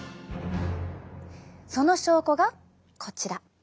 その証拠がこちら。